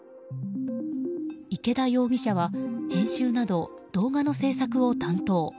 池田容疑者は編集など動画の制作を担当。